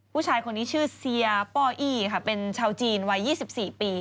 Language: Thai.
ผู้ชายคนนี้ชื่อเซียป้ออี้ค่ะเป็นชาวจีนวัย๒๔ปี